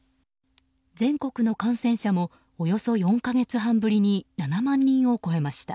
全国の感染者もおよそ４か月半ぶりに７万人を超えました。